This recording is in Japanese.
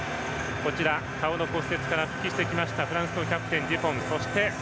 顔の骨折から復帰してきたフランスのキャプテン、デュポン。